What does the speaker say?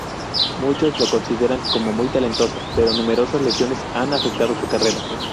Muchos lo consideran como muy talentoso, pero numerosas lesiones han afectado su carrera.